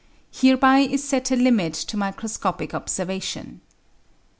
Hereby is set a limit to microscopic observation."